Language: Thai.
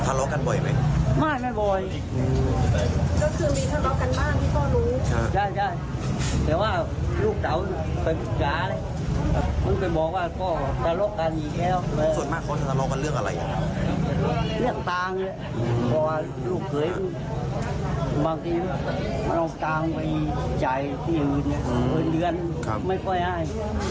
เราตามไปจ่ายที่อื่นเนี่ยเอาเงินไม่ค่อยอ้าย